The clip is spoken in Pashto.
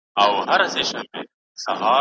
که علمي مواد وي نو هیله نه ختمیږي.